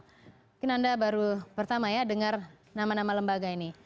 mungkin anda baru pertama ya dengar nama nama lembaga ini